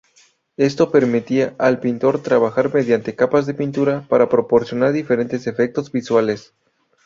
Esto permitía al pintor trabajar mediante capas de pintura para proporcionar diferentes efectos visuales.